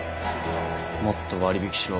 もっと割引しろ。